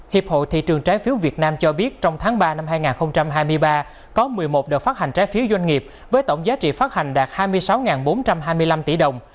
hiệp hội thị trường trái phiếu việt nam cho biết trong tháng ba năm hai nghìn hai mươi ba có một mươi một đợt phát hành trái phiếu doanh nghiệp với tổng giá trị phát hành đạt hai mươi sáu bốn trăm hai mươi năm tỷ đồng